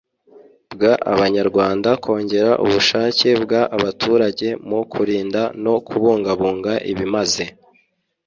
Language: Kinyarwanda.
bw Abanyarwanda kongera ubushake bw Abaturage mu kurinda no kubungabunga ibimaze